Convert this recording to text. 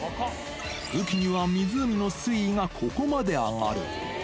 雨期には湖の水位がここまで上がる。